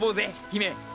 姫！